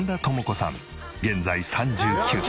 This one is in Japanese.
現在３９歳。